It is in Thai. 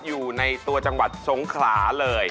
อยู่ในตัวจังหวัดสงขลาเลย